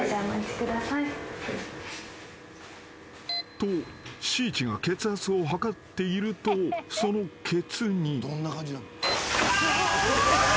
［としーちが血圧を測っているとそのケツに］